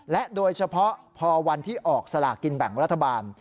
และโดยเฉพาะพอวันที่ออกสลากินแบ่งรัฐบาล